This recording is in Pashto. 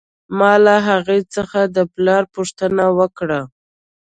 ما له هغې څخه د پلار پوښتنه وکړه